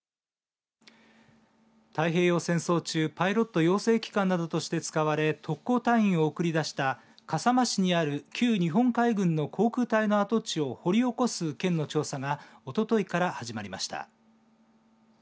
太平洋戦争中、パイロット養成機関などとして使われ特攻隊員を送り出した笠間市にある旧日本海軍の航空隊の跡地を掘り起こす県の調査がおとといから始まりました。